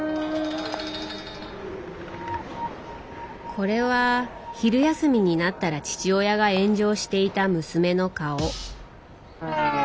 これは昼休みになったら父親が炎上していた娘の顔。